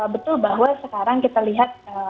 betul bahwa sekarang kita lihat